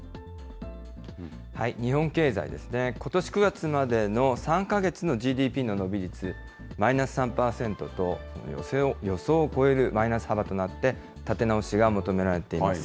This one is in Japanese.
日本経済ですね、ことし９月までの３か月のＧＤＰの伸び率、マイナス３％と、予想を超えるマイナス幅となって、立て直しが求められています。